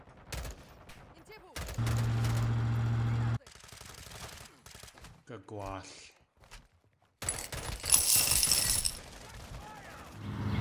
Gagwaal!